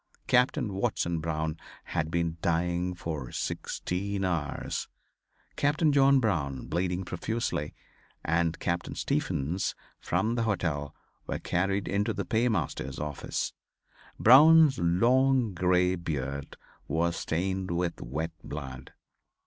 Captain Watson Brown had been dying for sixteen hours. Captain John Brown, bleeding profusely, and Captain Stephens from the hotel, were carried into the paymaster's office. Brown's long grey beard was stained with wet blood.